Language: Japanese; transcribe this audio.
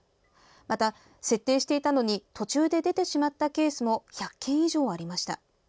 また、設定していたのに途中で出てしまったケースも１００件以上ありました。